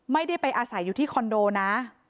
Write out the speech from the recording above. ไม่ได้ไปอาศัยอยู่ที่คอนโดนะ